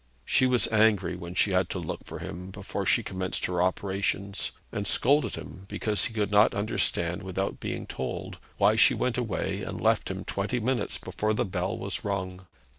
She was angry when she had to look for him before she commenced her operations, and scolded him because he could not understand without being told why she went away and left him twenty minutes before the bell was rung.